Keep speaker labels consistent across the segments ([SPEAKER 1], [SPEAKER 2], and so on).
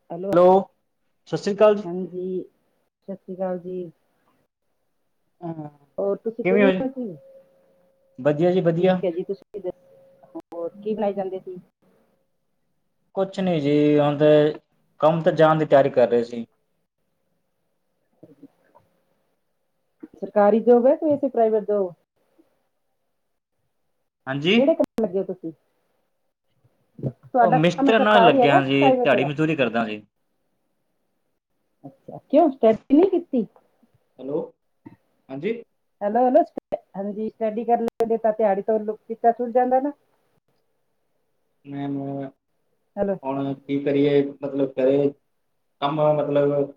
[SPEAKER 1] Hello!
[SPEAKER 2] ਉਹ, ਸਤਿ ਸ੍ਰੀ ਅਕਾਲ ਜੀ
[SPEAKER 1] ਹਾਂਜੀ! ਸਤਿ ਸ੍ਰੀ ਅਕਾਲ ਜੀ!
[SPEAKER 2] ਅ
[SPEAKER 1] ਹੋਰ ਤੁਸੀਂ ਕਿਵੇਂ ਹੋ
[SPEAKER 2] ਵਧੀਆ ਜੀ ਵਧੀਆ
[SPEAKER 1] ਠੀਕ ਹੈ ਜੀ ਤੁਸੀਂ ਹੋਰ, ਕੀ ਬਣਾਏ ਜਾਂਦੇ ਸੀ
[SPEAKER 2] ਕੁਛ ਨੀ ਜੀ, ਹੁਣ ਤੇ ਕੰਮ ਤੇ ਜਾਣ ਦੀ ਤਿਆਰੀ ਕਰ ਰਹੇ ਸੀ!
[SPEAKER 1] ਸਰਕਾਰੀ ਜੋਬ ਹੈ, ਕਿਸੀ ਪ੍ਰਾਈਵੇਟ ਜੋਬ
[SPEAKER 2] ਹਾਂਜੀ
[SPEAKER 1] ਕਿਹੜੇ ਕਮ ਲੱਗੇ ਹੋ ਤੁਸੀਂ? ਤੁਹਾਡਾ ਕੰਮ
[SPEAKER 2] ਮਿਸਤਰੀ ਨਾਲ
[SPEAKER 1] ਸਰਕਾਰੀ
[SPEAKER 2] ਲੱਗਿਆ
[SPEAKER 1] ਹੈਗਾ
[SPEAKER 2] ਜੀ,
[SPEAKER 1] ਪ੍ਰਾਈਵੇਟ
[SPEAKER 2] ਦਿਹਾੜੀ
[SPEAKER 1] ਹੈਗਾ?
[SPEAKER 2] ਮਜ਼ਦੂਰੀ ਕਰਦਾ।
[SPEAKER 1] ਕਿਉਂ ਸਟਡੀ ਨਹੀਂ ਕੀਤੀ।
[SPEAKER 2] ਹੈਲੋ ਹਾਂਜੀ
[SPEAKER 1] ਹੈਲੋ-ਹੈਲੋ ਹਾਂਜੀ, ਸਟੱਡੀ ਕਰ ਲੈਂਦੇ ਤਾਂ ਦਿਹਾੜੀ ਤੋਂ ਤਾ ਛੁੱਟ ਜਾਂਦਾ ਨਾ।
[SPEAKER 2] ਮੈ ਮੋ
[SPEAKER 1] ਹੈਲੋ।
[SPEAKER 2] ਹੁਣ ਕੀ ਕਰੀਏ ਮਤਲਬ ਖਰੇ ਕੰਮ ਮਤਲਬ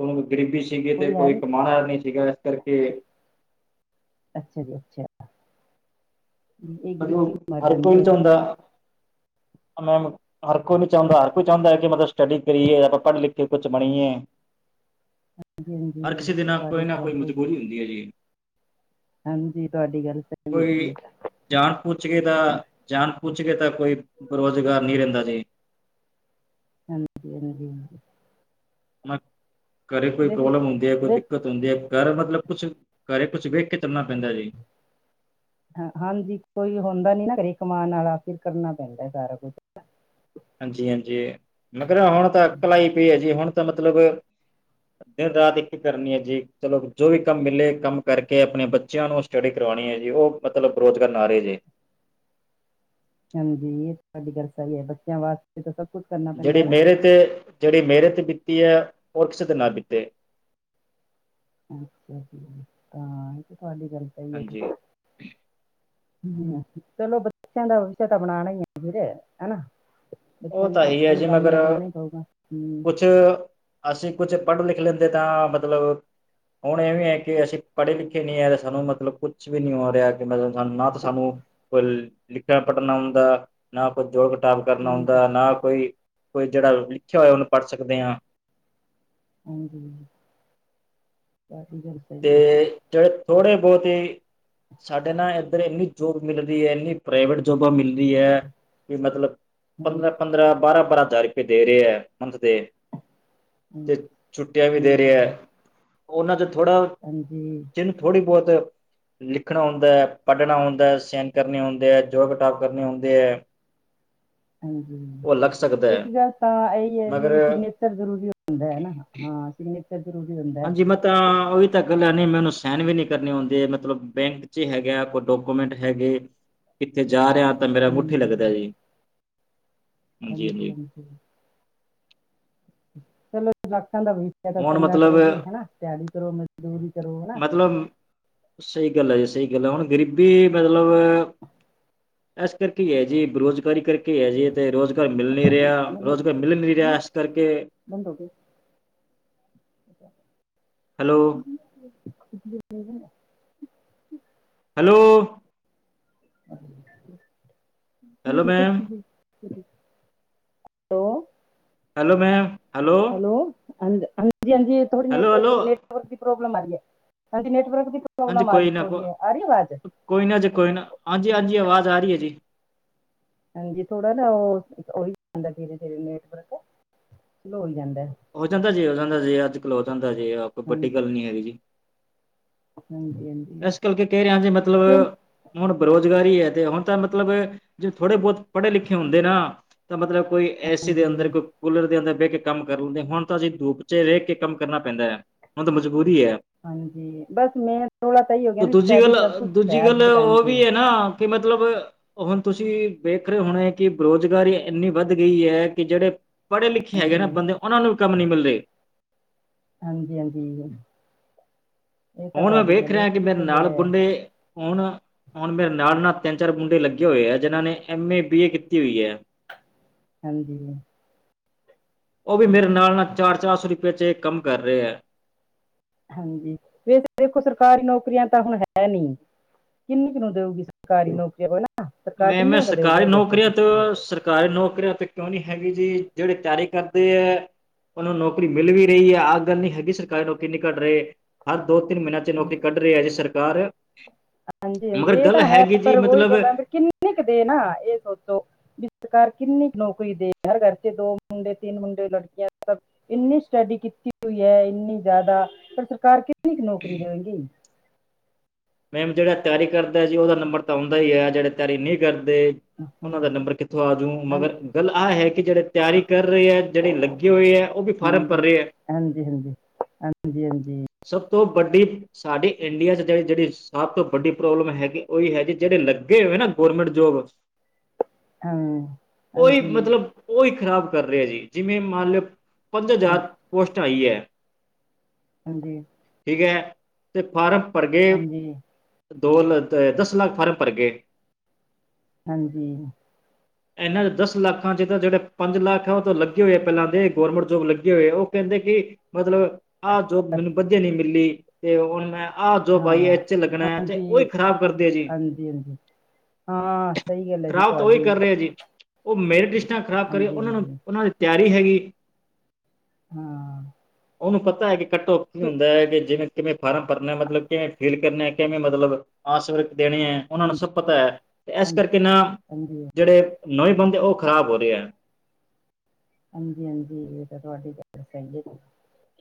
[SPEAKER 2] ਹੁਣ ਗਰੀਬੀ ਚ ਸੀਗੇ ਤੇ
[SPEAKER 1] ਹੈ
[SPEAKER 2] ਕੋਈ
[SPEAKER 1] ਨੀ
[SPEAKER 2] ਕਮਾਣਾ ਨਈ ਸੀਗਾ, ਇਸ ਕਰਕੇ
[SPEAKER 1] ਅੱਛਾ ਜੀ ਅੱਛਾ। ਇਹ ਗਰੀਬੀ ਮਰ
[SPEAKER 2] ਹਰ
[SPEAKER 1] ਜਾਂਦੀ
[SPEAKER 2] ਕੋਈ
[SPEAKER 1] ਹੈ ਨਾ
[SPEAKER 2] ਚਾਹੁੰਦਾ ਹਰ ਕੋਈ ਨ ਚਾਹੁੰਦਾ, ਹਰ ਕੋਈ ਚਾਹੁੰਦਾ ਕਿ ਮਤਲਬ ਸਟੱਡੀ ਕਰੀਏ, ਆਪਾਂ ਪੜ੍ਹ ਲਿਖੇ ਕੁਛ ਬਣੀਏ।
[SPEAKER 1] ਹਾਂਜੀ
[SPEAKER 2] ਹਰ ਕਿਸੇ
[SPEAKER 1] ਹਾਂਜੀ ਇਹ
[SPEAKER 2] ਦੇ
[SPEAKER 1] ਤਾਂ
[SPEAKER 2] ਨਾਲ
[SPEAKER 1] ਤੁਹਾਡੀ
[SPEAKER 2] ਕੋਈ ਨਾ
[SPEAKER 1] ਗੱਲ
[SPEAKER 2] ਕੋਈ
[SPEAKER 1] ਸਹੀ ਹੈ
[SPEAKER 2] ਮਜ਼ਬੂਰੀ ਹੁੰਦੀ ਐ ਜੀ।
[SPEAKER 1] ਹਾਂਜੀ, ਤੁਹਾਡੀ ਗੱਲ ਸਹੀ ਹੈ
[SPEAKER 2] ਕੋਈ
[SPEAKER 1] ਜੀ।
[SPEAKER 2] ਜਾਣ ਪੁੱਛ ਕੇ ਤਾਂ ਜਾਣ ਪੁੱਛ ਕੇ ਤਾਂ ਕੋਈ ਬੇਰੋਜ਼ਗਾਰ ਨਹੀਂ ਰਹਿੰਦਾ ਜੀ।
[SPEAKER 1] ਹਾਂਜੀ, ਹਾਂਜੀ ਹ
[SPEAKER 2] ਮ ਘਰੇ ਕੋਈ
[SPEAKER 1] ਵੈਸੇ
[SPEAKER 2] ਪ੍ਰੋਬਲਮ ਹੁੰਦੀ ਹੈ, ਕੋਈ
[SPEAKER 1] ਵੈਸੇ
[SPEAKER 2] ਦਿੱਕਤ ਹੁੰਦੀ ਆ ਘਰ ਮਤਲਬ ਕੁਛ ਘਰ ਕੁਛ ਵੇਖ ਕੇ ਚੱਲਣਾ ਪੈਂਦਾ ਜੀ
[SPEAKER 1] ਹ ਹਾਂਜੀ! ਕੋਈ ਹੁੰਦਾ ਨੀ ਨਾ ਘਰੇ ਕਮਾਉਣ ਨਾਲਾ, ਫਿਰ ਕਰਨਾ ਪੈਂਦਾ ਸਾਰਾ ਕੁਛ
[SPEAKER 2] ਹਾਂਜੀ! ਹਾਂਜੀ! ਮਗਰ ਹੁਣ ਤਾਂ ਅਕਲ ਆਈ ਪਈ ਹੈ ਜੀ, ਹੁਣ ਤਾਂ ਮਤਲਬ ਦਿਨ- ਰਾਤ ਇੱਕ ਹੀ ਕਰਨੀ ਹੈ, ਜੀ ਚਲੋ ਜੋ ਵੀ ਕੰਮ ਮਿਲੇ ਕੰਮ ਕਰਕੇ ਆਪਣੇ ਬੱਚਿਆਂ ਨੂੰ ਸਟੱਡੀ ਕਰਵਾਣੀ ਹੈ ਜੀ ਉਹ ਮਤਲਬ ਅਪਰੋਚ ਕਰਨ ਆ ਰਹੇ ਨੇ।
[SPEAKER 1] ਹਾਂਜੀ, ਇਹ ਤੁਹਾਡੀ ਗੱਲ ਸਹੀ ਐ, ਬੱਚਿਆਂ ਵਾਸਤੇ ਤਾਂ ਸਭ ਕੁਛ ਕਰਨਾ ਪੈਂਦਾ ਐ ਨਾ।
[SPEAKER 2] ਕਿ ਤੇ ਜਿਹੜੀ ਮੇਰੇ ਤੇ ਬੀਤੀ ਐ, ਉਹ ਕਿਸੇ ਤੇ ਨਾ ਬੀਤੇ।
[SPEAKER 1] ਅੱਛਾ, ਇਹ ਤਾਂ ਤੁਹਾਡੀ ਗੱਲ ਸਹੀ ਐ ਜੀ।
[SPEAKER 2] ਹਾਂਜੀ
[SPEAKER 1] ਚਲੋ, ਬੱਚੇ ਦਾ ਭਵਸ਼ ਤਾਂ ਬਣਾਣਾ ਹੀ ਐ ਵੀਰੇ ਹੈਨਾ।
[SPEAKER 2] ਉਹ
[SPEAKER 1] ਬੱਚਿਆਂ ਨੂੰ ਤਾਂ
[SPEAKER 2] ਹੀ ਹੈ
[SPEAKER 1] ਆਪਾਂ ਨੂੰ
[SPEAKER 2] ਜੀ ਮਗਰ
[SPEAKER 1] ਕਾਮਯਾਬ ਬਣਾਣਾ ਹੀ ਪਊਗਾ, ਹੂੰ।
[SPEAKER 2] ਕੁਛ ਅਸੀਂ ਕੁਝ ਪੜ੍ਹ ਲਿਖ ਲੈਂਦੇ ਤਾਂ ਮਤਲਬ ਹੁਣ ਇਹ ਵੀ ਹੈ ਕਿ ਅਸੀਂ ਪੜੇ ਲਿਖੇ ਨਹੀਂ ਆ ਤੇ ਸਾਨੂੰ ਮਤਲਬ ਕੁਛ ਵੀ ਨਹੀਂ ਹੋ ਰਿਹਾ ਕਿ ਮਤਲਬ ਨਾ ਤਾਂ ਸਾਨੂੰ ਪਰ ਲਿਖਣਾ, ਪੜਨਾ ਆਉਂਦਾ। ਨਾ ਕੋਈ ਜੋੜ ਖਟਾਵ ਕਰਨਾ
[SPEAKER 1] ਹਾਂਜੀ
[SPEAKER 2] ਹੁੰਦਾ ਨਾ ਕੋਈ ਕੋਈ ਜਿਹੜਾ ਲਿਖਿਆ ਹੋਇਆ ਉਹਨੂੰ ਪੜ੍ਹ ਸਕਦੇ ਹ
[SPEAKER 1] ਹਾਂਜੀ, ਆਹੀ ਗੱਲ ਸਹੀ ਹੈ ਜੀ
[SPEAKER 2] ਤੇ ਜਿਹੜੇ ਥੋੜੇ ਬਹੁਤੇ ਸਾਡੇ ਨਾ ਇੱਧਰ ਇੰਨੀ ਜੋਬ ਮਿਲਦੀ ਏ, ਇੰਨੀ ਪ੍ਰਾਈਵੇਟ ਜੋਬਾਂ ਮਿਲਦੀ ਐ ਮਤਲਬ
[SPEAKER 1] ਹਾਂ,
[SPEAKER 2] ਪੰਦਰਾਂ ਪੰਦਰਾਂ, ਬਾਹਰਾ-ਬਾਹਰਾ ਹਜ਼ਾਰ ਰੁਪਏ ਦੇ ਰਹੇ ਆ ਮੰਥ ਦੇ।
[SPEAKER 1] ਹਾਂ,
[SPEAKER 2] ਤੇ ਛੁੱਟੀਆਂ ਵੀ ਦੇ
[SPEAKER 1] ਹਾਂਜੀ
[SPEAKER 2] ਰਿਹਾ। ਉਹਨਾਂ ਚ ਥੋੜ੍ਹਾ
[SPEAKER 1] ਹਾਂਜੀ।
[SPEAKER 2] ਜਿਨੂੰ ਥੋੜ੍ਹੀ ਬਹੁਤ ਲਿਖਣਾ ਆਉਂਦਾ, ਪੜਨਾ ਆਉਂਦਾ, ਸੈਨ ਕਰਨੇ ਆਉਂਦੇ ਆ, ਜੋਰ ਘਟਾਵ ਕਰਨੇ ਆਉਂਦੇ ਆ। [inaudible]
[SPEAKER 1] ਹਾਂਜੀ, ਇੱਕ ਗੱਲ ਤਾਂ ਇਹਹੀ ਹੈ
[SPEAKER 2] ਮਗਰ
[SPEAKER 1] ਵੀ ਸਿਗਨੇਚ ਨੇਚਰ ਜ਼ਰੂਰੀ ਹੁੰਦਾ ਐ। ਹਾਂ, ਸਿਗਨੇਚਰ ਜ਼ਰੂਰੀ ਹੁੰਦਾ ਐ।
[SPEAKER 2] ਹਾਂਜੀ ਮੈਂ ਤਾਂ ਉਹੀ ਤਾਂ ਅਕਲ ਹੈ ਨਹੀਂ ਮੈਨੂੰ ਸਹਿਨ ਵੀ ਨਹੀਂ ਕਰਨੀ ਆਉਂਦੇ ਮਤਲਬ ਬੈਂਕ ਚ ਹੀ ਹੈਗਾ ਕੋਈ ਡਾਕੂਮੈਂਟ ਹੈਗੇ। ਕਿੱਥੇ ਜਾ ਰਿਹਾ ਤਾਂ ਮੇਰਾ ਅੰਗੂਠਾ
[SPEAKER 1] ਹਾਂਜੀ
[SPEAKER 2] ਲੱਗਦਾ ਜੀ। ਹਾਂਜੀ ਹਾਂਜੀ
[SPEAKER 1] ਹਾਂਜੀ-ਹਾਂਜੀ। ਚਲੋ ਲੱਖਾਂ ਦਾ ਵੀਜਾ ਤਾਂ
[SPEAKER 2] ਹੁਣ
[SPEAKER 1] ਚੰਗਾ
[SPEAKER 2] ਮਤਲਬ
[SPEAKER 1] ਕਰੋਗੇ ਹੈਨਾ ਦਿਹਾੜੀ ਕਰੋ ਮਜ਼ਦੂਰੀ। ਕਰੋ ਹਨਾ
[SPEAKER 2] ਮਤਲਬ, ਸਹੀ ਗੱਲ ਹੈ ਜੀ-ਸਹੀ ਗੱਲ ਹੈ, ਹੁਣ ਗਰੀਬੀ ਮਤਲਬ ਇਸ ਕਰਕੇ ਹੈ ਜੇ ਬੇਰੁਜ਼ਗਾਰੀ ਕਰਕੇ ਕੀ ਹੈ ਜੀ ਤੇ ਰੋਜ਼ਗਾਰ ਮਿਲ ਨਹੀਂ ਰਿਹਾ
[SPEAKER 1] ਮਨੋਂ
[SPEAKER 2] ਰੋਜ਼ਗਾਰ ਮਿਲ ਨਹੀਂ ਰਿਹਾ
[SPEAKER 1] ਮਨੋਂ
[SPEAKER 2] ਇਸ ਕਰਕੇ
[SPEAKER 1] ਬੰਦ ਹੋ ਗਏ।
[SPEAKER 2] ਹੈਲੋ
[SPEAKER 1] ਹੂੰ।
[SPEAKER 2] ਹੈਲੋ। ਹੈਲੋ
[SPEAKER 1] ਕ
[SPEAKER 2] ਮੈਮ
[SPEAKER 1] ਦੀ [unintelligible] ਹੈਲੋ।
[SPEAKER 2] ਹੈਲੋ ਮੈ ਹੈਲੋ।
[SPEAKER 1] ਹੈਲੋ ਹਾਂਜੀ-ਹਾਂਜੀ ਥੋੜੀ
[SPEAKER 2] ਹੈਲੋ ਹੈਲੋ
[SPEAKER 1] ਨੈਟਵਰਕ ਨੈਟਵਰਕ ਦੀ ਪ੍ਰੋਬਲਮ ਆ ਰਹੀ ਹੈ ਹਾਂਜੀ, ਨੈਟਵਰਕ ਦੀ
[SPEAKER 2] ਹਾਂਜੀ
[SPEAKER 1] ਪ੍ਰੋਬਲਮ ਆ ਰਹੀ
[SPEAKER 2] ਕੋਈ ਨਾ ਕੋ
[SPEAKER 1] ਥੋੜੀ ਹੈ ਆ ਰਹੀ ਆਵਾਜ਼।
[SPEAKER 2] ਕੋਈ ਨਾ ਜੀ ਕੋਈ ਨਾ ਹਾਂਜੀ-ਹਾਂਜੀ ਆਵਾਜ਼ ਆ ਰਹੀ ਹੈ ਜੀ।
[SPEAKER 1] ਹਾਂਜੀ, ਥੋੜਾ ਨਾ ਉਹ ਹੀ ਜਾਂਦਾ ਜਰੇ ਨੈਟਵਰਕ ਸਲੋ ਹੋ ਜਾਂਦਾ।
[SPEAKER 2] ਹੋ ਜਾਂਦਾ ਜੇ, ਹੋ ਜਾਂਦਾ ਜੇ ਅੱਜ-ਕੱਲ ਹੋ ਜਾਂਦਾ ਜੇ ਆਪ ਕੋਈ ਵੱਡੀ ਗੱਲ ਨੀ ਹੈਗੀ ਜੀ।
[SPEAKER 1] ਹਾਂਜੀ-ਹਾਂਜੀ।
[SPEAKER 2] ਇਸ ਕਰਕੇ ਕਹਿ ਰਿਹਾ ਜੇ ਮਤਲਬ ਹੁਣ ਬੇਰੁਜ਼ਗਾਰੀ ਹੈ ਤੇ ਹੁਣ ਤਾਂ ਮਤਲਬ ਜੇ ਥੋੜੇ ਬਹੁਤ ਪੜ੍ਹੇ-ਲਿਖੇ ਹੁੰਦੇ ਨਾ ਤਾਂ ਮਤਲਬ ਕੋਈ ਐੇ ਸੀ ਅੰਦਰ
[SPEAKER 1] ਹਾਂਜੀ
[SPEAKER 2] ਕੋਈ ਕੂਲਰ ਦੇ ਅੰਦਰ ਬਹਿ ਕੇ ਕੰਮ ਕਰ ਲੈਂਦੇ ਹੁਣ ਤਾਂ ਅਸੀਂ ਧੂਪ 'ਚ ਰਹਿ ਕੇ ਕੰਮ ਕਰਨਾ ਪੈਂਦਾ ਹੈ ਹੁਣ ਤਾਂ ਮਜ਼ਬੂਰੀ ਹੈ।
[SPEAKER 1] ਹਾਂਜੀ, ਬਸ ਮੇ ਰੋਲਾ ਤੇ ਇਹੀ
[SPEAKER 2] ਦੂਜੀ ਗੱਲ ਦੂਜੀ -ਗੱਲ ਉਹ ਵੀ ਹੈਨਾ ਕਿ ਮਤਲਬ ਉਹ ਹੁਣ ਤੁਸੀਂ ਵੇਖ ਰਹੇ ਹੋਣੇ ਕਿ ਬੇਰੁਜ਼ਗਾਰੀ ਇੰਨੀ ਵੱਧ ਗਈ ਹੈ ਕਿ ਜਿਹੜੇ ਪੜ੍ਹੇ-ਲਿਖੇ ਹੈਗੇ ਨਾ
[SPEAKER 1] ਹਾਂਜੀ
[SPEAKER 2] ਬੰਦੇ ਉਹਨਾਂ ਨੂੰ ਵੀ ਕੰਮ ਨਹੀਂ ਮਿਲਦੇ।
[SPEAKER 1] ਹਾਂਜੀ-ਹਾਂਜੀ।
[SPEAKER 2] ਹੁਣ ਮੈਂ ਵੇਖ
[SPEAKER 1] ਇਹ
[SPEAKER 2] ਰਿਹਾ ਕਿ
[SPEAKER 1] ਵੀ
[SPEAKER 2] ਮੇਰੇ
[SPEAKER 1] ਸਹੀ
[SPEAKER 2] ਨਾਲ
[SPEAKER 1] ਹੈ
[SPEAKER 2] ਹੁਣ-ਹੁਣ ਮੇਰੇ ਨਾਲ-ਨਾਲ ਤਿੰਨ-ਚਾਰ ਮੁੰਡੇ ਲੱਗੇ ਹੋਏ ਆ ਜਿਨਾਂ ਨੇ ਐਮ ਏ, ਬੀ ਏ ਕੀਤੀ ਹੋਈ ਹੈ। [unintelligible]
[SPEAKER 1] ਹਾਂਜੀ।
[SPEAKER 2] ਉਹ ਵੀ ਮੇਰੇ
[SPEAKER 1] ਸਹੀ ਹੈ
[SPEAKER 2] ਨਾਲ-ਨਾਲ, ਚਾਰ-ਚਾਰ ਸੌ ਰੁਪਏ 'ਚ ਕੰਮ ਕਰ ਰਹੇ ਹੈ।
[SPEAKER 1] ਹਾਂਜੀ, ਵੇਸੇ ਦੇਖੋ ਸਰਕਾਰੀ ਨੌਕਰੀਆਂ ਤਾਂ ਹੁਣ ਹੈ ਨੀ। ਕਿੰਨੀ ਕੁ ਨੂੰ ਦੇਊਗੀ ਸਰਕਾਰੀ ਨੌਕਰੀਆਂ ਹੈਨਾ?
[SPEAKER 2] ਮੈਂਮ ਸਰਕਾਰੀ ਨੌਕਰੀਆਂ ਤੋਂ ਸਰ ਸਰਕਾਰੀ ਨੌਕਰੀਆਂ ਤੇ ਕਿਉਂ ਨੀ ਹੈਗੀ ਜੀ ਜਿਹੜੇ ਤਿਆਰੀ ਕਰਦੇ ਹੈ ਉਹਨਾਂ ਨੂੰ ਨੌਕਰੀ ਮਿਲ ਵੀ ਰਹੀ ਹੈ ਆਹ ਗੱਲ ਨਹੀਂ ਹੈਗੀ ਸਰਕਾਰੀ ਨੌਕਰੀ ਨ ਘੱ ਰਹੇ ਹਰ ਦੋ- ਤਿੰਨ ਮਹੀਨੇ ਨੌਕਰੀ ਕੱਢ ਰਹੀ ਹੈ ਜੇ ਸਰਕਾਰ
[SPEAKER 1] ਹਾਂਜੀ -ਹਾਂਜੀ
[SPEAKER 2] ਮਗਰ
[SPEAKER 1] ਇਹ
[SPEAKER 2] ਗੱਲ
[SPEAKER 1] ਤਾਂ ਹੈ
[SPEAKER 2] ਹੈਗੀ ਜੀ
[SPEAKER 1] ਪਰ ਉਹੀ
[SPEAKER 2] ਮਤਲਬ
[SPEAKER 1] ਗੱਲਾਂ ਕਿੰਨੀੇ ਕੁ ਦੇ ਨਾ ਇਹ ਸੋਚੋ। ਵੀ ਸਰਕਾਰ ਕਿੰਨੀ ਨੌਕਰੀ ਦੇ ਹਰ ਘਰ ਚ ਦੋ ਮੁੰਡੇ, ਤਿੰਨ ਮੁੰਡੇ, ਲੜਕੀਆਂ ਸ ਇੰਨੀ ਸਟੱਡੀ ਕੀਤੀ ਹੋਈ ਹੈ ਇੰਨੀ ਜ਼ਿਆਦਾ ਪਰ ਸਰਕਾਰ ਕਿੰਨੀ ਕੁ ਨੌਕਰੀ ਦੇਵੇਗੀ?
[SPEAKER 2] ਮੈਮ ਜਿਹੜਾ ਤਿਆਰੀ ਕਰਦਾ ਜੀ ਉਹਦਾ ਨੰਬਰ ਤਾਂ ਆਉਂਦਾ ਹੀ ਹੈ ਜਿਹੜੇ ਤਿਆਰੀ ਨਹੀਂ ਕਰਦੇ
[SPEAKER 1] ਹਾਂ
[SPEAKER 2] ਉਹਨਾਂ
[SPEAKER 1] ਹਾਂ,
[SPEAKER 2] ਦਾ ਨੰਬਰ ਕਿੱਥੋਂ ਆ ਜੂ ਮਗਰ
[SPEAKER 1] ਹਾਂਜੀ
[SPEAKER 2] ਗੱਲ ਆਹ ਹੈ ਕਿ ਜਿਹੜੇ ਤਿਆਰੀ ਕਰ ਰਹੇ ਹੈ ਜਿਹੜੇ ਲੱਗੇ ਹੋਏ ਹੈ ਉਹ ਵੀ ਫਾਰਮ ਪਰਰ ਰਿਹੀ ਹੈ।
[SPEAKER 1] ਹਾਂਜੀ-ਹਾਂਜੀ-ਹਾਂਜੀ-ਹਾਂਜੀ।
[SPEAKER 2] ਸਭ ਤੋਂ ਵੱਡੀ ਸਾਡੀ ਇੰਡੀਆ ਚ ਜਿਹੜੀ-ਜਿਹੜੀ। ਸਭ ਤੋਂ ਵੱਡੀ ਪ੍ਰੋਬਲਮ ਹੈਗੀ ਉਹੀ ਹੈ ਜੀ ਜਿਹੜੇ ਲੱਗੇ ਹੋਏ ਨਾ ਗੌਰਰਮੈਂਟ ਜੋਬ
[SPEAKER 1] ਹਾਂ,
[SPEAKER 2] ਉਹੀ
[SPEAKER 1] ਹਾਂਜੀ,
[SPEAKER 2] ਮਤਲਬ ਉਹੀ ਖ਼ਰਾਬ ਕਰ ਰਿਹਾ ਜੀ ਜਿਵੇਂ ਮੰਨ ਲਿਓ। ਪੰਜ
[SPEAKER 1] ਹਾਂ,
[SPEAKER 2] ਹਜ਼ਾਰ ਪੋਸਟਾਂ ਆਈ ਐ।
[SPEAKER 1] ਹਾਂਜੀ
[SPEAKER 2] ਠੀਕ ਹੈ ਤੇ ਫਾਰਮ ਭਰ ਗੇ।
[SPEAKER 1] ਹਾਂਜੀ,
[SPEAKER 2] ਦੋ ਲ ਦਸ ਲੱਖ ਫਾਰਮ ਭਰ ਗਏ।
[SPEAKER 1] ਹਾਂਜੀ
[SPEAKER 2] [inaudible] ਇਹਨਾਂ ਦਸ ਲੱਖਾਂ 'ਚ ਤਾਂ ਜਿਹੜੇ ਪੰਜ ਲੱਖ ਹੈ ਉਹ ਤਾਂ ਲੱਗੇ ਹੋਏ ਆ ਪਹਿਲਾਂ ਦੇ ਗੌਰਮੈਂਟ ਜੋਬ ਲੱਗੀ ਹੋਏ ਉਹ ਕਹਿੰਦੇ ਕਿ ਮਤਲਬ ਆਹ ਜੋਬ ਮੈਨੂੰ ਵਧੀਆ ਨਹੀਂ ਮਿਲੀ ਤੇ ਹੁਣ ਮੈਂ ਆਹ ਜੋਬ ਆਈ ਏ।
[SPEAKER 1] ਹਾਂ,
[SPEAKER 2] ਲੱਗਣਾ ਹੈ 'ਚ
[SPEAKER 1] ਹਾਂਜੀ,
[SPEAKER 2] ਉਹੀ ਖ਼ਰਾਬ ਕਰਦੇ ਆ ਜੀ।
[SPEAKER 1] ਹਾਂਜੀ, ਹਾਂਜੀ। ਹਾਂ, ਸਹੀ ਗੱਲ ਹੈ ਜੀ
[SPEAKER 2] ਖ਼ਰਾਬ ਤਾਂ ਉਹੀ
[SPEAKER 1] ਤੁਹਾਡੀ,
[SPEAKER 2] ਕਰ ਰਿਹਾ ਜੀ ਉਹ ਮੈਰਿਟ ਲਿਸਟਾਂ ਖ਼ਰਾਬ ਕਰੀ
[SPEAKER 1] ਹਾਂਜੀ,
[SPEAKER 2] ਉਹਨਾਂ ਨੂੰ
[SPEAKER 1] ਹਾਂਜੀ,
[SPEAKER 2] ਉਹਨਾਂ ਦੀ ਤਿਆਰੀ ਹੈਗੀ।
[SPEAKER 1] ਹਾਂ
[SPEAKER 2] ਉਹਨੂੰ ਪਤਾ ਹੈ ਕਿ ਘੱਟੋ ਕੀ ਹੁੰਦਾ ਹੈ ਕਿ ਜਿਵੇਂ ਕਿਵੇਂ ਫਾਰਮ ਭਰਨਾ ਮਤਲਬ ਕਿਵੇਂ ਫੀਲ ਕਰਨੇ ਕਿਵੇਂ ਮਤਲਬ ਆਸ ਦੇਣੇ ਹੈ ਉਹਨਾਂ ਨੂੰ
[SPEAKER 1] ਹਾਂਜੀ।
[SPEAKER 2] ਸਭ ਪਤਾ ਹੈ ਤੇ ਇਸ
[SPEAKER 1] ਹਾਂਜੀ,
[SPEAKER 2] ਕਰਕੇ ਨਾ
[SPEAKER 1] ਹਾਂਜੀ,
[SPEAKER 2] ਜਿਹੜੇ ਨੋਵੇਂ ਬੰਦੇ ਉਹ ਖਰਾਬ ਹੋ ਰਹੇ ਹੈ।
[SPEAKER 1] ਹਾਂਜੀ -ਹਾਂਜੀ ਇਹ ਤਾਂ ਤੁਹਾਡੀ ਗ [inaudible]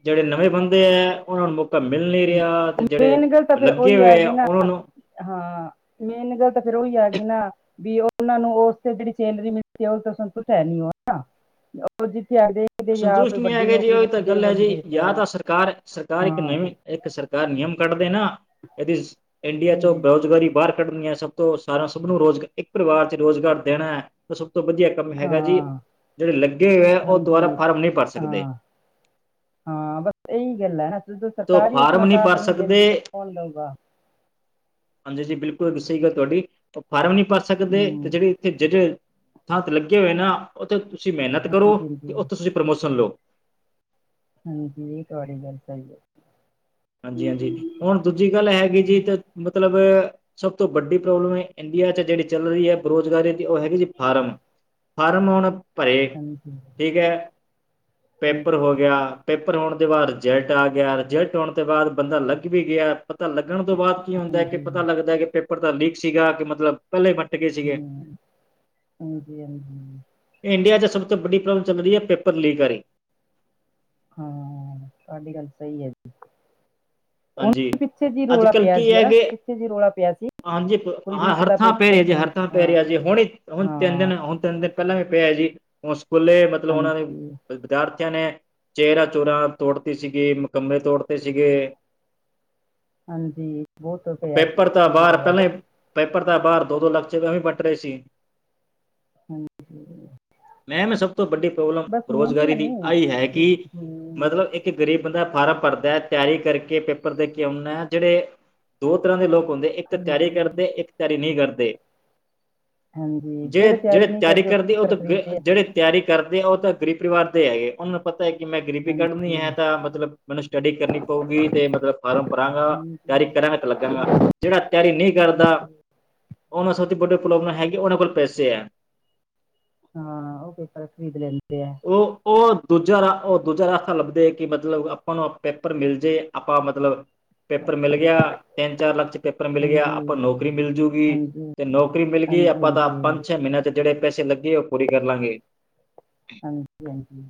[SPEAKER 2] ਜਿਹੜੇ ਨਵੇਂ ਬੰਦੇ ਹੈ ਉਹਨਾਂ ਨੂੰ ਮੁ ਮਿਲ ਨਹੀਂ ਰਿਹਾ ਤੇ ਜਿਹੜੇ
[SPEAKER 1] ਮੇਨ ਗੱਲ ਤਾਂ ਫੇਰ
[SPEAKER 2] ਲੱਗੇ
[SPEAKER 1] ਉਹੀ
[SPEAKER 2] ਹੋਏ ਆ
[SPEAKER 1] ਗਈ ਨਾ,
[SPEAKER 2] ਉਹਨਾਂ ਨੂੰ
[SPEAKER 1] ਹਾਂ ਮੇਨ ਗੱਲ ਤਾਂ ਫੇਰ ਉਹੀ ਆ ਗਈ ਨਾ। ਵੀ ਉਹਨਾ ਨੂੰ ਉਸ ਤੇ ਜਿਹੜੀ ਸੈਲਰੀ ਮਿਲਦੀ ਉਹ ਤਾਂ ਸਭ ਕੁਝ ਨੀ ਹਨਾ। ਅਪ ਉਹ ਜਿੱਥੇ ਆਂਦੇ।
[SPEAKER 2] ਸੰਤੁਸ਼ਟ ਨੀ ਹੈਗੇ ਜੀ ਉਹੀ ਤਾਂ ਗੱਲ ਹੈ ਜੀ ਯਾ ਤਾਂ ਆ ਸਰਕਾਰ -ਸਰਕਾਰ ਇੱਕ
[SPEAKER 1] ਹਾਂ,
[SPEAKER 2] ਨਵੀਂ ਇੱਕ ਸਰ ਨਿਯਮ ਕੱਢਦੇ ਨਾ ਇਹਦੀ ਇੰਡੀਆ 'ਚੋਂ
[SPEAKER 1] ਹਾਂਜੀ,
[SPEAKER 2] ਬੇਰੁਜ਼ਗਾਰੀ ਬਾਹਰ ਕੱਢੀਆਂ ਸਭ ਤੋਂ ਸਾਰਾ ਸਭ ਨੂੰ ਰੋਜ਼ਾਰ ਇੱਕ ਪਰਿਵਾਰ 'ਚ ਰੁਜ਼ਗਾਰ ਦੇਣਾ ਹੈ ਸਭ ਤੋਂ ਵਧੀਆ ਕੰਮ ਹੈਗਾ ਜੀ
[SPEAKER 1] ਹਾਂ।
[SPEAKER 2] ਜਿਹੜੇ ਲੱਗੇ ਹੋਏ ਹੈ ਉਹ ਦੁਬਾਰਾ ਫਾਰਮ ਨਹੀਂ ਭਰ
[SPEAKER 1] ਹਾਂ-
[SPEAKER 2] ਸਕਦੇ
[SPEAKER 1] ਹਾਂ ਬਸ ਇਹੀ ਗੱਲਾਂ ਏ ਨਾ। ਜਦੋਂ
[SPEAKER 2] ਤੋ
[SPEAKER 1] ਸਰਕਾਰ ਹੀ
[SPEAKER 2] ਫਾਰਮ
[SPEAKER 1] ਆਪਣਾ ਸਾਥ
[SPEAKER 2] ਭਰ
[SPEAKER 1] ਨਹੀਂ
[SPEAKER 2] ਸਕਦੇ
[SPEAKER 1] ਦਿੰਦੀ ਕੌਣ ਦਊਗਾ।
[SPEAKER 2] ਹਾਂਜੀ ਜੀ ਬਿਲਕੁਲ ਗੁੱਸੇ ਦੀ ਗੱਲ ਤੁਹਾਡੀ ਫਾਰਮ ਨੀ ਭਰ ਸਕਦੇ ਤੇ
[SPEAKER 1] ਹੂੰ
[SPEAKER 2] ਜਿਹੜੀ ਇੱਥੇ ਜਿਹੜੇ ਥਾਂ ਤੇ ਲੱਗੇ ਹੋਏ ਨਾ ਉੱਥੇ ਤੁਸੀਂ ਮਿਹਨਤ ਕਰੋ
[SPEAKER 1] ਹਾਂਜੀ
[SPEAKER 2] ਤੇ
[SPEAKER 1] ਹਾਂਜੀ
[SPEAKER 2] ਉੱਥੇ ਤੁਸੀਂ ਪ੍ਰਮੋਸ਼ਨ ਲਓ।
[SPEAKER 1] ਹਾਂਜੀ ਇਹ ਤਾਂ ਬੀ ਗੱਲ ਸਹੀ ਹੈ।
[SPEAKER 2] ਹਾਂਜੀ- ਹਾਂਜੀ ਹੁਣ ਦੂਜੀ ਗੱਲ ਹੈਗੀ ਜੀ
[SPEAKER 1] ਹਾਂ,
[SPEAKER 2] ਤੇ ਮਤਲਬ ਸਭ ਤੋਂ ਵੱਡੀ ਪ੍ਰੋਬਲਮ ਹੈ ਇੰਡੀਆ 'ਚ ਜਿਹੜੀ ਚੱਲ ਰਹੀ ਹੈ। ਰੁਜ਼ਗਾਰੀ ਦੀ ਉਹ ਹੈਗੀ ਜੀ ਫਾਰਮ- ਫਾਰਮ ਆਉਣ ਭਰੇ
[SPEAKER 1] ਹਾਂਜੀ
[SPEAKER 2] ਠੀਕ ਹੈ ਪੇਪਰ
[SPEAKER 1] ਹਾਂਜੀ ਹਾਂਜੀ
[SPEAKER 2] ਹੋ ਗਿਆ। ਪੇਪਰ ਹੋਣ ਦੇ ਬਾਅਦ ਰਿਜਲਟ ਆ ਗਿਆ ਰਿਜਲਟ ਹੋਣ ਤੋਂ ਬਾਅਦ ਬੰਦਾ ਲੱਗ ਵੀ ਗਿਆ। ਪਤਾ ਲੱਗਣ ਤੋਂ ਬਾਅਦ, ਕੀ ਹੁੰਦਾ ਹੈ। ਕਿ ਪਤਾ
[SPEAKER 1] ਹੂੰ,
[SPEAKER 2] ਲੱਗਦਾ ਕਿ ਪੇਪਰ ਤਾਂ ਲੀਕ ਸੀਗਾ। ਕਿ ਮਤਲਬ ਪਹਿਲੇ
[SPEAKER 1] ਹੂੰ, ਹਾਂਜੀ- ਹਾਂਜੀ।
[SPEAKER 2] ਇੰਡੀਆ ਚ, ਸਭ ਤੋਂ ਵੱਡੀ, ਪ੍ਰੋਬਲਮ ਚੱਲਦੀ ਹੈ, ਪੇਪਰ ਲੀਕ ਆਹੀ।
[SPEAKER 1] ਹਾਂ। ਤੁਹਾਡੀ ਗੱਲ ਸਹੀ ਹੈ। ਜੀ। ਹੁਣ
[SPEAKER 2] ਹਾਂਜੀ।
[SPEAKER 1] ਪਿੱਛੇ ਜਿ, ਰੌਲਾ
[SPEAKER 2] ਅੱਜ-ਕੱਲ੍ਹ
[SPEAKER 1] ਪਿਆ
[SPEAKER 2] ਕੀ
[SPEAKER 1] ਜੀ।
[SPEAKER 2] ਹੈ
[SPEAKER 1] ਹਨਾ,
[SPEAKER 2] ਕਿ
[SPEAKER 1] ਪਿੱਛੇ ਜਿ ਰੌਲਾ ਪਿਆ ਸੀ।
[SPEAKER 2] ਹਾਂਜੀ।
[SPEAKER 1] ਕੋਈ
[SPEAKER 2] ਹਾਂ,
[SPEAKER 1] ਰੀਟ
[SPEAKER 2] ਹਰ
[SPEAKER 1] ਦਾ
[SPEAKER 2] ਥਾਂ
[SPEAKER 1] ਪੇਪਰ
[SPEAKER 2] ਪਹਿਰੀ ਜੇ, ਹਰ ਥਾਂ
[SPEAKER 1] ਹਾਂ
[SPEAKER 2] ਪਹਿਰੀ ਹ ਜੇ, ਹੁਣੇ- ਹੁਣ ਤਿੰਨ
[SPEAKER 1] ਹਾਂ
[SPEAKER 2] ਦਿਨ- ਹੁਣ ਤਿੰਨ ਦਿਨ। ਪਹਿਲਾਂ ਵੀ ਪਿਆ ਜੀ ਹੁਣ ਸਕੂਲੇ ਮਤਲਬ ਉਹਨਾਂ ਨੇ
[SPEAKER 1] ਹਾਂਜੀ
[SPEAKER 2] ਵਿਦਿਆਰਥੀਆਂ ਨੇ ਚਿਆਰਾ ਚੋਰਾਂ ਤੋੜਤੀ ਸੀਗੀ ਮਕੰਮੇ ਤੋੜਤੇ ਸੀਗੇ।
[SPEAKER 1] ਹਾਂਜੀ ਬਹੁਤ ਪਿਆ ਸੀ।
[SPEAKER 2] ਦਾ
[SPEAKER 1] ਜੀ
[SPEAKER 2] ਬਾਹਰ
[SPEAKER 1] ਰੋਲਾ
[SPEAKER 2] ਪਹਿਲਾਂ
[SPEAKER 1] ਜਾ
[SPEAKER 2] ਹੀ ਪੇਪਰ ਦਾ ਬਾਹਰ ਦੋ ਦੋ ਲਕਚਵੇਂ ਵੱਟ ਰਹੇ ਸੀ।
[SPEAKER 1] ਹਾਂਜੀ।
[SPEAKER 2] ਮੈਂਮ ਸਭ ਤੋਂ ਵੱਡੀ ਪ੍ਰੋਬਲਮ
[SPEAKER 1] ਬਸ ਮਿਹਨਤ ਹੈ
[SPEAKER 2] ਬੇਰੁਜ਼ਗਾਰੀ ਦੀ
[SPEAKER 1] ਨਹੀਂ
[SPEAKER 2] ਆਈ ਹੈ ਕਿ
[SPEAKER 1] ਹਮ, ਹਮ,
[SPEAKER 2] ਮਤਲਬ ਇੱਕ ਗਰੀਬ ਬੰਦਾ ਫਾਰਮ ਭਰਦਾ ਤਿਆਰੀ ਕਰਕੇ ਪੇਪਰ ਦੇ ਕੇ ਆਉਂਦਾ ਜਿਹੜੇ ਦੋ ਤਰ੍ਹਾਂ ਦੇ ਲੋਕ ਹੁੰਦੇ ਇੱਕ
[SPEAKER 1] ਹਾਂਜੀ
[SPEAKER 2] ਤਿਆਰੀ ਕਰਦੇ ਇੱਕ ਤਿਆਰੀ ਨਹੀਂ ਕਰਦੇ।
[SPEAKER 1] ਹਾਂਜੀ
[SPEAKER 2] ਜੇ ਜਿਹੜੇ
[SPEAKER 1] ਨਹੀਂ
[SPEAKER 2] ਤਿਆਰੀ
[SPEAKER 1] ਕਰਦੇ
[SPEAKER 2] ਕਰਦੀ ਉਹ
[SPEAKER 1] ਪੇਪਰ
[SPEAKER 2] ਤਾਂ
[SPEAKER 1] ਖਰੀਦਦੇ ਆ
[SPEAKER 2] ਜਿਹੜੇ ਤਿਆਰੀ ਕਰਦੇ ਉਹ ਤਾਂ ਗਰੀਬ ਪਰਿਵਾਰ ਦੇ ਹੈਗੇ ਉਹਨਾਂ ਪਤਾ ਹੈ ਕਿ ਮੈਂ ਗਰੀਬੀ ਕੱਢਣੀ
[SPEAKER 1] ਹਾਂਜੀ
[SPEAKER 2] ਹੈ ਤਾਂ ਮਤਲਬ ਮੈਨੂੰ ਸਟੱਡੀ ਕਰਨੀ ਪਊਗੀ ਤੇ ਮਤਲਬ ਫਾਰਮ ਭਰਾਂਗਾ। ਤਿਆਰੀ ਕਰਾਂਗੇ ਤਾਂ ਲੱਗਾਂਗਾ। ਜਿਹੜਾ ਤਿਆਰੀ ਨਹੀਂ ਕਰਦਾ। ਉਹਨਾਂ ਸਭ ਤੋਂ ਵੱਡੀ, ਪ੍ਰੋਬਲਮ ਹੈਗੀ। ਉਹਨਾਂ ਕੋਲ ਪੈਸੇ ਹੈ।
[SPEAKER 1] ਹਾਂ। ਉਹ, ਪੇਪਰ ਖ਼ਰੀਦ, ਲੈਂਦੇ ਆ।
[SPEAKER 2] ਉਹ, ਉਹ, ਦੂਜਾ ਰਾ ਉਹ ਦੂਜਾ ਰਾਸਾ, ਲੱਭਦੇ ਕਿ ਮਤਲਬ ਆਪਾਂ ਨੂੰ, ਪੇਪਰ ਮਿਲ ਜਾਵੇ। ਆਪਾਂ ਮਤਲਬ, ਪੇਪਰ ਮਿਲ ਗਿਆ। ਤਿੰਨ ਚਾਰ ਲੱਖ। ਪੇਪਰ ਮਿਲ ਗਿਆ। ਆਪਾਂ
[SPEAKER 1] ਹਾਂਜੀ
[SPEAKER 2] ਨੂੰ, ਨੌਕਰੀ ਮਿਲਜੂਗੀ।
[SPEAKER 1] ਹਾਂਜੀ
[SPEAKER 2] ਤੇ ਨੌਕਰੀ ਮਿਲ ਗਈ।
[SPEAKER 1] ਹਾਂਜੀ ਹਾਂਜੀ
[SPEAKER 2] ਆਪਾਂ ਤਾਂ ਪੰਜ, ਛੇ ਮਹੀਨਿਆਂ ਤੇ ਜਿਹੜੇ ਪੈਸੇ ਲੱਗੇ, ਉਹ ਪੂਰੀ ਕਰ ਲਾਂਗੇ।
[SPEAKER 1] ਹਾਂਜੀ ਜੀ ਹਾਂਜੀ।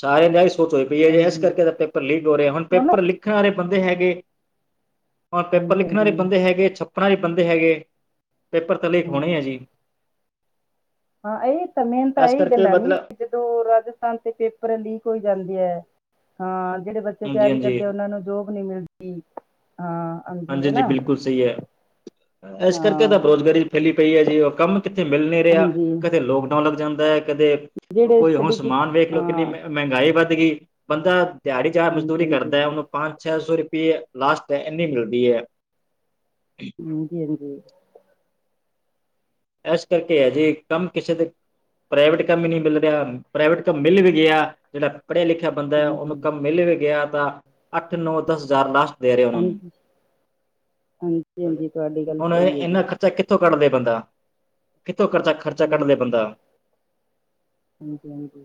[SPEAKER 2] ਸਾਰਿਆਂ ਦੀ, ਏ ਹੀ ਸੋਚ ਹੋਈ ਪਈ ਹੈ। ਜੇ ਇਸ
[SPEAKER 1] ਹਾਂਜੀ
[SPEAKER 2] ਕਰਕੇ ਤਾਂ ਪੇਪਰ ਲੀਕ ਹੋ ਰਿਹਾ। ਹੁਣ
[SPEAKER 1] ਮਨੋ
[SPEAKER 2] ਪੇਪਰ ਲੀਕ ਲਿਖਣ ਵਾਲੇ ਬੰਦੇ ਹੈਗੇ। ਹੁਣ ਪੇਪਰ
[SPEAKER 1] ਹਾਂਜੀ
[SPEAKER 2] ਲਿਖਣ ਵਾਲੇ
[SPEAKER 1] ਹਾਂਜੀ
[SPEAKER 2] ਬੰਦੇ ਹੈਗੇ। ਆਪਣਾ ਜ ਬੰਦੇ ਹੈਗੇ। ਪੇਪਰ ਤਾਂ, ਲੀਕ ਹੋਣੇ ਹੈ।
[SPEAKER 1] ਹਮ,
[SPEAKER 2] ਜੀ।
[SPEAKER 1] ਹਾਂ। ਇਹ ਤਾਂ, ਮੇਹਨ ਤਾਂ
[SPEAKER 2] ਇਸ
[SPEAKER 1] ਇਹੀ
[SPEAKER 2] ਕਰਕੇ
[SPEAKER 1] ਗੱਲਾਂ ਨੀ।
[SPEAKER 2] ਮਤਲਬ
[SPEAKER 1] ਜਦੋਂ ਰਾਜਸਥਾਨ, ਤੇ ਪੇਪਰ ਲੀਕ ਹੋਈ ਜਾਂਦੇ ਹੈ। ਹਾਂ। ਜਿਹੜੇ ਬੱਚੇ,
[SPEAKER 2] ਹਾਂਜੀ
[SPEAKER 1] ਤਿਆਰੀ
[SPEAKER 2] ਹਾਂਜੀ
[SPEAKER 1] ਕਰਦੇ, ਉਹਨਾਂ ਨੂੰ ਜੋਬ ਨੀ ਮਿਲਦੀ। ਹਾਂ ਹਾਂਜੀ ਹੈ
[SPEAKER 2] ਹਾਂਜੀ-ਜੀ,
[SPEAKER 1] ਨਾ
[SPEAKER 2] ਬਿਲਕੁਲ ਸਹੀ ਹੈ। ਇਸ ਕਰਕੇ
[SPEAKER 1] ਹਾਂ
[SPEAKER 2] ਤਾਂ ਬੇ- ਰੁਜ਼ਗਾਰੀ ਫੈਲੀ ਪਈ ਹੈ। ਜੀ ਉਹ ਕੰਮ ਕਿੱਥੇ ਮਿਲ ਨੀ ਰਿਹਾ।
[SPEAKER 1] ਹਾਂਜੀ
[SPEAKER 2] ਕਦੇ ਲੋਕਡਾਊਨ ਲੱਗ ਜਾਂਦਾ ਹੈ। ਕਦੇ,
[SPEAKER 1] ਜਿਹੜੇ
[SPEAKER 2] ਕੋਈ ਹੁਣ
[SPEAKER 1] ਸਟੱਡੀ
[SPEAKER 2] ਸਮਾਨ
[SPEAKER 1] ਕੀਤੀ
[SPEAKER 2] ਵੇਖ ਲਓ। ਕਿੰਨੀ
[SPEAKER 1] ਹਾਂ
[SPEAKER 2] ਮਹਿੰਗਾਈ ਵੱਧ ਗਈ। ਬੰਦਾ ਦਿਹਾੜੀ ਜਾ
[SPEAKER 1] ਹਾਂਜੀ
[SPEAKER 2] ਮਜ਼ਦੂਰੀ
[SPEAKER 1] ਹਾਂਜੀ
[SPEAKER 2] ਕਰਦਾ। ਉਹਨੂੰ ਪੰਜ, ਛੇ ਸੌ ਰੁਪਏ। ਲਾਸਟ ਇੰਨੀ ਮਿਲਦੀ ਹੈ।
[SPEAKER 1] [unintelligible] ਹਾਂਜੀ-ਹਾਂਜੀ
[SPEAKER 2] ਇਸ ਕਰਕੇ ਹੈ ਜੀ। ਕੰਮ ਕਿਸੇ ਦੇ ਪ੍ਰਾਈਵੇਟ ਕੰਮ ਹੀ, ਨਹੀਂ ਮਿਲ ਰਿਹਾ। ਪ੍ਰਾਈਵੇਟ ਕੰਮ ਮਿਲ ਵੀ ਗਿਆ। ਜਿਹੜਾ ਪੜਿਆ ਲਿਖਿਆ ਬੰਦਾ ਉਹਨੂੰ
[SPEAKER 1] ਹਾਂਜੀ
[SPEAKER 2] ਕੰਮ ਮਿਲ ਵੀ, ਗਿਆ ਤਾਂ। ਅੱਠ, ਨੌ, ਦਸ ਹਜ਼ਾਰ, ਲਾਸਟ ਦੇ ਰਿਹਾ ਉਹਨਾਂ ਨੂੰ।
[SPEAKER 1] ਹਾਂਜੀ ਹਾਂਜੀ- ਹਾਂਜੀ, ਤੁਹਾਡੀ ਗੱਲ
[SPEAKER 2] ਹੁਣ
[SPEAKER 1] ਸਹੀ। ਹੈ ਜੀ
[SPEAKER 2] ਇੰਨਾ ਖਰਚਾ ਕਿੱਥੋਂ ਕੱਢ ਲੈ ਬੰਦਾ। ਕਿੱਥੋਂ ਖਰਚਾ, ਖਰਚਾ ਕੱਢ ਲੈ
[SPEAKER 1] ਹਾਂਜੀ
[SPEAKER 2] ਬੰਦਾ।
[SPEAKER 1] ਹਾਂਜੀ- ਹਾਂਜੀ।